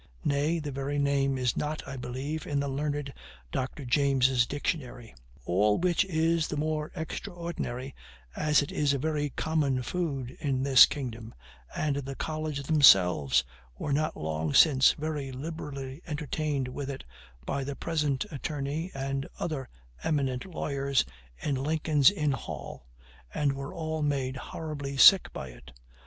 Nay, the very name is not, I believe, in the learned Dr. James's Dictionary; all which is the more extraordinary as it is a very common food in this kingdom, and the college themselves were not long since very liberally entertained with it by the present attorney and other eminent lawyers in Lincoln's inn hall, and were all made horribly sick by it.